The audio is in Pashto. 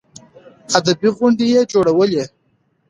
ادبي غونډې يې جوړولې.